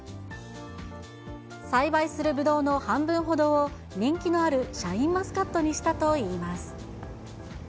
栽培するブドウの半分ほどを、人気のあるシャインマスカットにしたといいます。